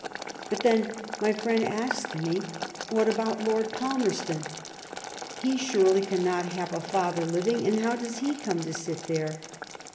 But, then, my friend asked me, what about Lord Palmerston? He surely cannot have a father living, and how does he come to sit here?